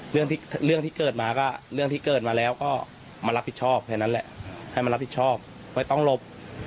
เรื่องที่เกิดมาก็เรื่องที่เกิดมาแล้วก็มารับผิดชอบแค่นั้นแหละให้มารับผิดชอบไม่ต้องหลบ